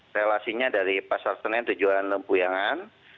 relasinya dari pasar senen tujuan lempuyangan